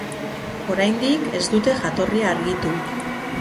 Oraindik ez dute jatorria argitu.